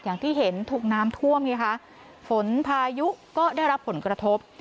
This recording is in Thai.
อย่างที่เห็นถูกน้ำท่วมไงคะฝนพายุก็ได้รับผลกระทบ